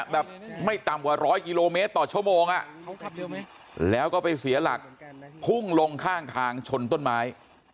แบบไม่ต่ำกว่าร้อยกิโลเมตรต่อชั่วโมงแล้วก็ไปเสียหลักพุ่งลงข้างทางชนต้นไม้